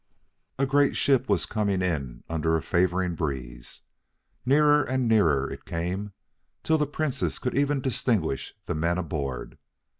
A great ship was coming in under a favoring breeze. Nearer and nearer it came, till the Princess could even distinguish the men aboard.